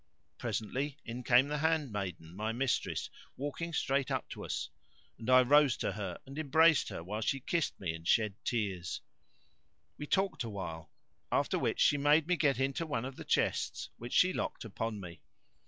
Presently in came the handmaiden, my mistress, walking straight up to us; and I rose to her and embraced her while she kissed me and shed tears.[FN#562] We talked awhile; after which she made me get into one of the chests which she locked upon me.